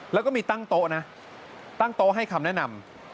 แล้วก็มีตั้งโต๊ะนะตั้งโต๊ะให้คำแนะนำ